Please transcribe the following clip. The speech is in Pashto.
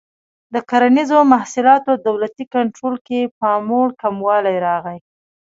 د کرنیزو محصولاتو دولتي کنټرول کې پاموړ کموالی راغی.